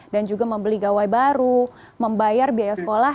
dan juga membeli gawai baru membayar biaya sekolah